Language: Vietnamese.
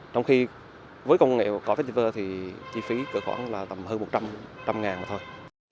trong khi với công nghệ cỏ vestiver thì chi phí cỡ khoảng là tầm hơn một trăm linh ngàn thôi